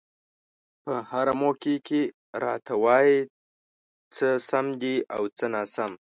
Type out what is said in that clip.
په هره موقع کې راته وايي څه سم دي او څه ناسم.